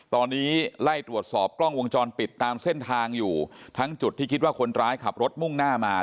ตอนนี้ไล่ตรวจสอบกล้องวงจรปิดตามเส้นทางอยู่ทั้งจุดที่คิดว่าคนร้ายขับรถมุ่งหน้ามา